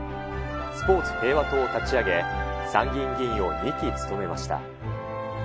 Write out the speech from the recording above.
スポーツ平和党を立ち上げ、参議院議員を２期務めました。